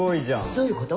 どういうこと？